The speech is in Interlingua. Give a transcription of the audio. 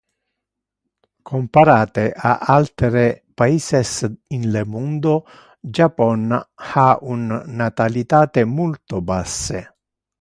Comparate a altere paises in le mundo, Japon ha un natalitate multo basse.